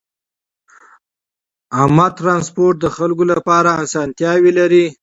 عامه ترانسپورت د خلکو لپاره اسانتیاوې لري.